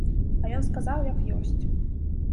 А ён сказаў як ёсць.